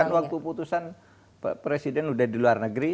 kan waktu putusan presiden udah di luar negeri